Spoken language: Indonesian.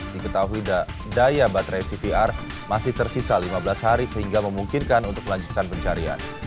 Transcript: diketahui daya baterai cvr masih tersisa lima belas hari sehingga memungkinkan untuk melanjutkan pencarian